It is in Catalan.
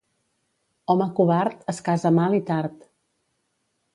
Home covard, es casa mal i tard.